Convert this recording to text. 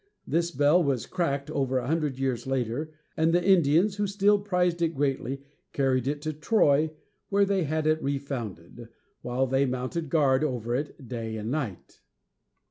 This bell was cracked over a hundred years later, and the Indians, who still prized it greatly, carried it to Troy, where they had it refounded, while they mounted guard over it day and night.